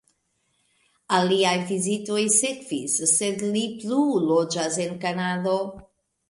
Aliaj vizitoj sekvis, sed li plu loĝas en Kanado.